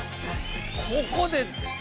ここで。